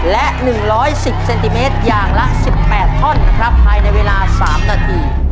และ๑๑๐เซนติเมตรอย่างละ๑๘ท่อนนะครับภายในเวลา๓นาที